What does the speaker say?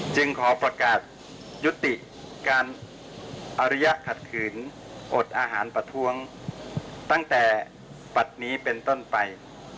ขอประกาศยุติการอริยะขัดขืนอนอดอาหารประท้วงตั้งแต่ปัดนี้เป็นต้นไป